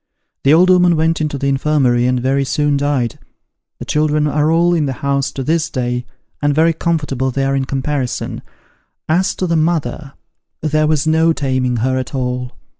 The old 'ooman went into the infirmary, and very soon died. The children are all in the house to this day, and very comfortable they are in comparison. As to the mother, there was no taming her at all.